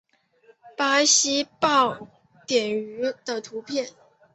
巴西豹蟾鱼的图片